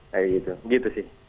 kayak gitu gitu sih